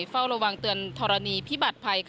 เฝ้าระวังเตือนธรณีพิบัติภัย